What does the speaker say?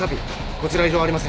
こちら異常ありません。